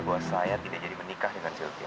bahwa saya tidak jadi menikah dengan siut dia